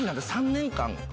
３年間。